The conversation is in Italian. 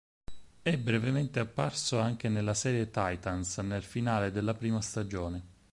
È brevemente apparso anche nella serie "Titans", nel finale della prima stagione.